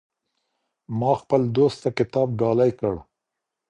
ما خپل دوست ته کتاب ډالۍ کړ.